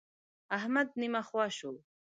احمد نيمه خوا شو.